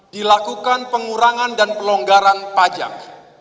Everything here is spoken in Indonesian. dilakukan pengurangan dan pelonggaran pajak